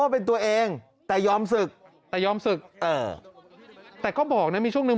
เป็นตัวเองแต่ยอมศึกแต่ยอมศึกเออแต่ก็บอกนะมีช่วงหนึ่ง